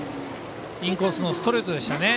インコースのストレートでしたね。